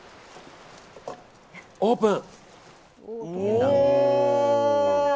オープン！